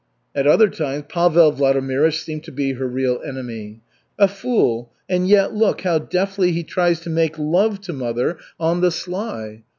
At other times Pavel Vladimirych seemed to be her real enemy. "A fool, and yet look how deftly he tries to make love to mother on the sly.